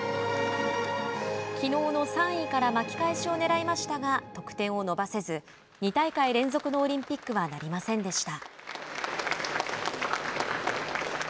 きのうの３位から巻きかえしをねらいましたが得点を伸ばせず２大会連続のオリンピックはなりませんでした。